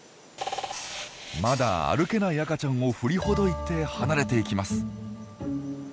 まだ歩けない赤ちゃんを振りほどいて離れていきます。